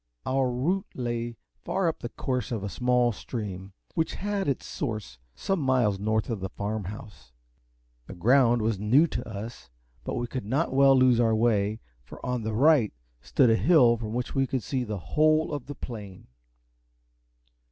Our route lay far up the course of a small stream, which had its source some miles north of the Farm House. The ground was new to us, but we could not well lose our way, for on the right stood a hill from which we could see the whole of the plain.